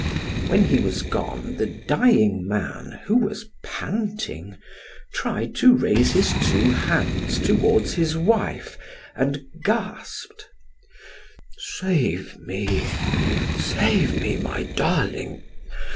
When he was gone, the dying man, who was panting, tried to raise his two hands toward his wife and gasped: "Save me save me, my darling.